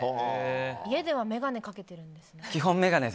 家では眼鏡かけてるんですね。